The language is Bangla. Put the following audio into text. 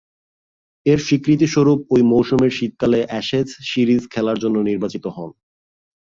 এর স্বীকৃতিস্বরূপ ঐ মৌসুমের শীতকালে অ্যাশেজ সিরিজ খেলার জন্যে নির্বাচিত হন।